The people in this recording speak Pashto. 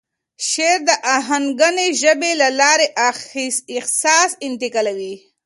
شعر د آهنګینې ژبې له لارې احساس انتقالوي.